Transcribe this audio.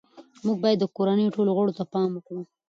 موږ باید د کورنۍ ټولو غړو ته پام وکړو